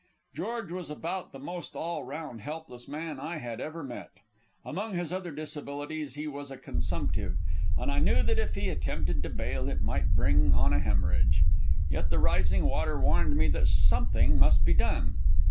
George was about the most all round helpless man I had ever met. Among his other disabilities, he was a consumptive, and I knew that if he attempted to bail, it might bring on a hemorrhage. Yet the rising water warned me that something must be done.